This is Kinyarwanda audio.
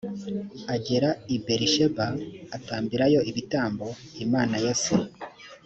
agera i berisheba atambirayo ibitambo imana ya se